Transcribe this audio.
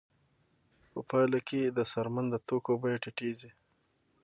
په پایله کې د څرمن د توکو بیه ټیټېږي